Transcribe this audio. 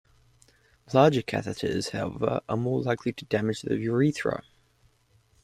Larger catheters, however, are more likely to damage the urethra.